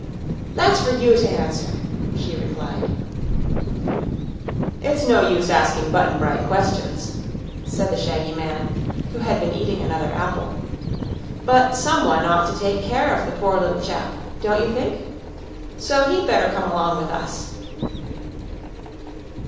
"That's for you to answer," she replied. "It's no use asking Button Bright questions," said the shaggy man, who had been eating another apple; "but someone ought to take care of the poor little chap, don't you think? So he'd better come along with us."